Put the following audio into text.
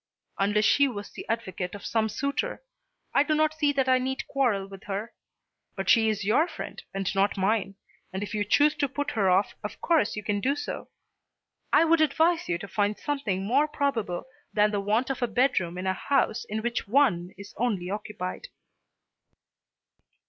"Unless she was the advocate of some other suitor, I do not see that I need quarrel with her. But she is your friend and not mine, and if you choose to put her off of course you can do so. I would advise you to find something more probable than the want of a bedroom in a house in which one is only occupied."